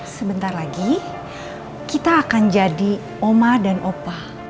sebentar lagi kita akan jadi oma dan opa